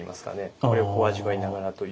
これを味わいながらという。